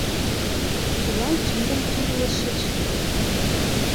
Кӧлан тӱрым тӱрлышыч?